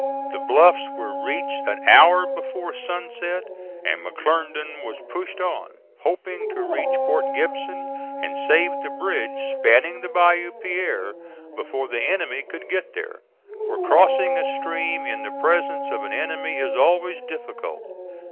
The bluffs were reached an hour before sunset and McClernand was pushed on, hoping to reach Port Gibson and save the bridge spanning the Bayou Pierre before the enemy could get there; for crossing a stream in the presence of an enemy is always difficult.